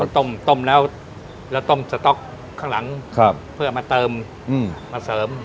ต้มต้มแล้วต้มสต๊อกข้างหลังเพื่อมาเติมมาเสริม